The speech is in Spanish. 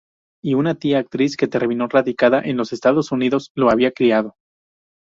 Y una tía actriz, que terminó radicada en los Estados Unidos, lo había criado.